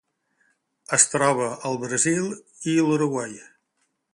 Es troba al Brasil i l'Uruguai.